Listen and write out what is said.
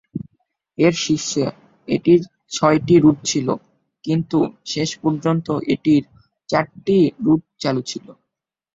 এর শীর্ষে, এটির ছয়টি রুট ছিল, কিন্তু শেষ পর্যন্ত এটির চারটি রুট চালু ছিল।